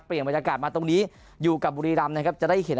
เปลี่ยนบรรยากาศมาตรงนี้อยู่กับบุรีรัมณ์นะครับจะได้เข็น